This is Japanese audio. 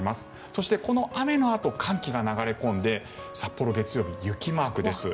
そして、この雨のあと寒気が流れ込んで札幌、月曜日雪マークです。